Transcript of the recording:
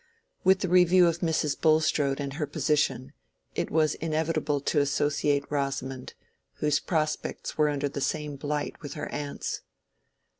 With the review of Mrs. Bulstrode and her position it was inevitable to associate Rosamond, whose prospects were under the same blight with her aunt's.